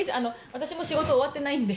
私も仕事終わってないんで。